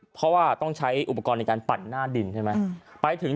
เพราะว่าต้องใช้อุปกรณ์ในการปั่นหน้าดินใช่ไหม